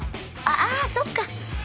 ああそっか。